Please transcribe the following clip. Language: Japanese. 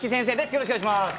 よろしくお願いします。